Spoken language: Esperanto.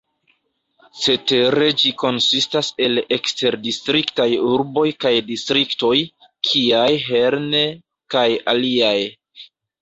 Cetere ĝi konsistas el eksterdistriktaj urboj kaj distriktoj, kiaj Herne kaj aliaj.